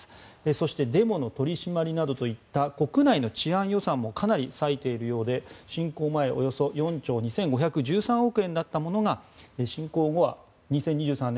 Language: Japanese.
そしてデモの取り締まりなどといった国内の治安予算もかなり割いているようで侵攻前およそ４兆２５１３億円だったものが侵攻後は２０２３年